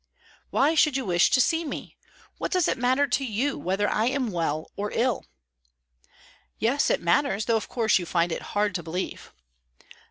"Why should you wish to see me? What does it matter to you whether I am well or ill?" "Yes, it matters, though of course you find it hard to believe."